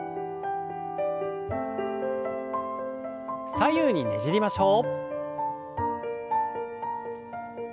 左右にねじりましょう。